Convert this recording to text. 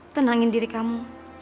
tenangin diri kamu